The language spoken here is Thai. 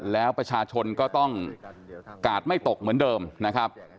แล้วประชาชนก็ต้องกาดไม่ตกเหมือนเดิมนะครับ